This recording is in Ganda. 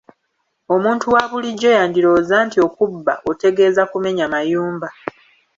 Omuntu wa bulijjo yandirowooza nti okubba otegeeza kumenya mayumba.